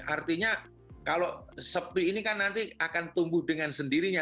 artinya kalau sepi ini kan nanti akan tumbuh dengan sendirinya